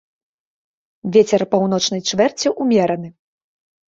Вецер паўночнай чвэрці ўмераны.